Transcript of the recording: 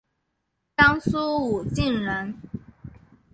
江苏武进人。